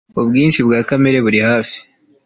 ubwinshi bwa kamere buri hafi